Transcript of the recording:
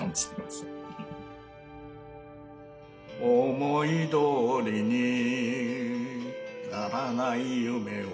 「思いどおりにならない夢を」